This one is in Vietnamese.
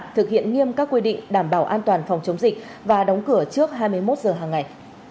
thực hiện nghiêm các quy định đảm bảo an toàn phòng chống dịch và đóng cửa trước hai mươi một giờ hàng ngày